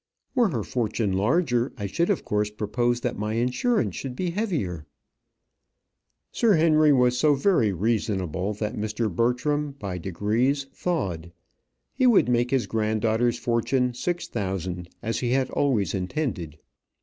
Were her fortune larger, I should of course propose that my insurance should be heavier." Sir Henry was so very reasonable that Mr. Bertram by degrees thawed. He would make his granddaughter's fortune, six thousand as he had always intended.